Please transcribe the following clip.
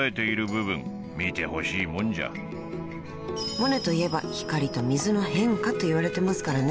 ［モネといえば光と水の変化といわれてますからね］